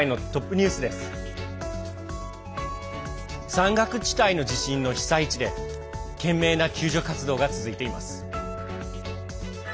山岳地帯の地震の被災地で懸命な救助活動が続いています。